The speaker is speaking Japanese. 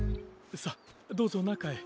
さあどうぞなかへ。